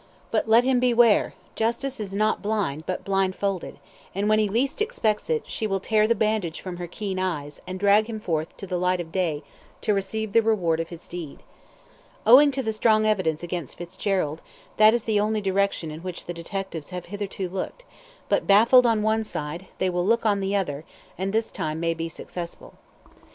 But let him beware, Justice is not blind, but blind folded, and when he least expects it, she will tear the bandage from her keen eyes, and drag him forth to the light of day to receive the reward of his deed. Owing to the strong evidence against Fitzgerald, that is the only direction in which the detectives have hitherto looked, but baffled on one side, they will look on the other, and this time may be successful.